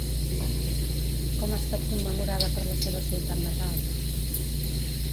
Com ha estat commemorada per la seva ciutat natal?